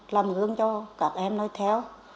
làm hương cho các em nói theo